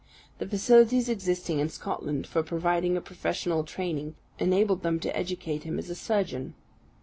The facilities existing in Scotland for providing a professional training enabled them to educate him as a surgeon.